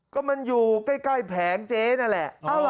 ก็มันอยู่ใกล้แผงเจ๊นั่นแหละ